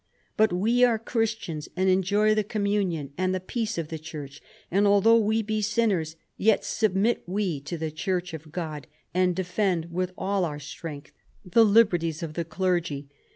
But we are Christians and enjoy the communion and the peace of the Church, and, although we be sinners, yet submit we to the Church of God and defend with all our strength the liberties of the clergy.